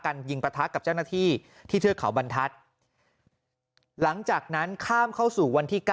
ยิงประทะกับเจ้าหน้าที่ที่เทือกเขาบรรทัศน์หลังจากนั้นข้ามเข้าสู่วันที่๙